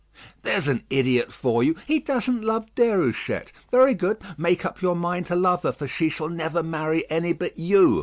"There's an idiot for you! He doesn't love Déruchette. Very good; make up your mind to love her, for she shall never marry any but you.